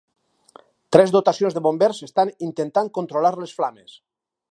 Tres dotacions de bombers estan intentant controlar les flames.